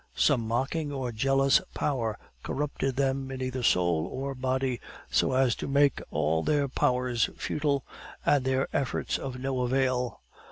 Some mocking or jealous power corrupted them in either soul or body, so as to make all their powers futile, and their efforts of no avail.